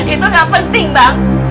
itu ga penting bang